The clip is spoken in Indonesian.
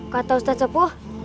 kata ustadz sepuh